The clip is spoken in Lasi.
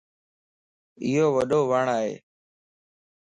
ايو وڏو وڻ ائي.